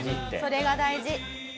『それが大事』。